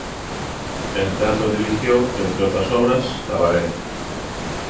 En teatro dirigió, entre otras obras, "Cabaret".